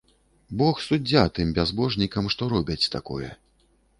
Бог суддзя тым бязбожнікам, што робяць такое.